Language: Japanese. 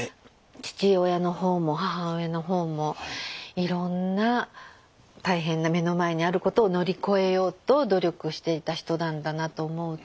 父親のほうも母親のほうもいろんな大変な目の前にあることを乗り越えようと努力していた人なんだなと思うと。